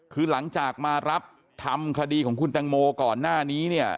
คือหลังจากมารับทำคดีของคุณตังโมก่อนหน้านี้เนี่ย